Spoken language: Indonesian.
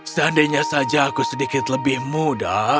seandainya saja aku sedikit lebih muda